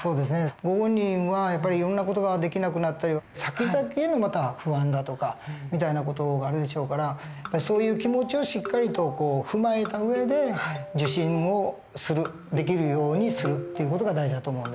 ご本人はやっぱりいろんな事ができなくなったりさきざきへの不安だとかみたいな事があるでしょうからそういう気持ちをしっかりと踏まえた上で受診をするできるようにするっていう事が大事だと思うんです。